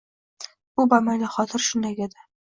U bamaylixotir shunday dedi